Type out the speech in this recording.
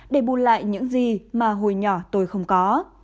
để bùn lại những gì mà hồi nhỏ tôi không có